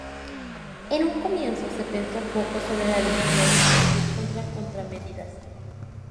En un comienzo se pensó poco sobre la necesidad de introducir contra-contramedidas.